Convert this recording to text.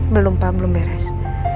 belum pak belum beres